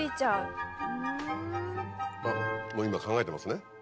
あっもう今考えてますね。